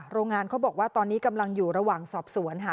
โรงงานเขาบอกว่าตอนนี้กำลังอยู่ระหว่างสอบสวนค่ะ